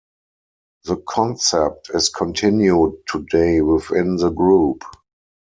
The concept is continued today within the group.